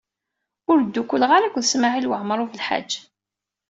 Ur ddukkuleɣ ara akked Smawil Waɛmaṛ U Belḥaǧ.